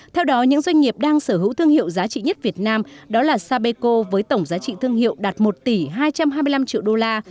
theo đó những doanh nghiệp đang sở hữu thương hiệu giá trị nhất việt nam đó là sapeco với tổng giá trị thương hiệu đạt một tỷ hai trăm hai mươi năm triệu đô la